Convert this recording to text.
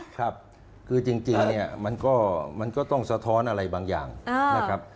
ครับคือจริงเนี่ยมันก็ต้องสะท้อนอะไรบางอย่างนะครับ